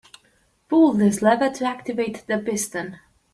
Pull this lever to activate the piston.